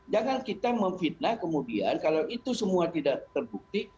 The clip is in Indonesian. jangan kita memfitnah kemudian kalau itu semua tidak terbukti